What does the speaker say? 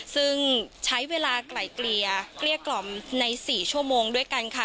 ซึ่งใช้เวลาไกลเกลี่ยเกลี้ยกล่อมใน๔ชั่วโมงด้วยกันค่ะ